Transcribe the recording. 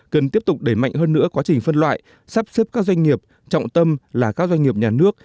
cần tiếp tục đẩy mạnh hơn nữa quá trình phân loại sắp xếp các doanh nghiệp trọng tâm là các doanh nghiệp nhà nước